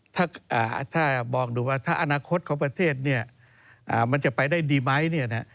ถ้ามองดูว่าถ้าอนาคตของประเทศเนี่ยมันจะไปได้ดีไหมเนี่ยนะ